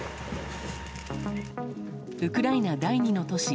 ウクライナ第２の都市